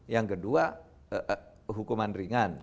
yang kedua hukuman ringan